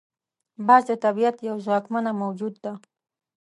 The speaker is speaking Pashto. باز د طبیعت یو ځواکمنه موجود ده